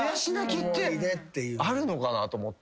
あるのかなと思って。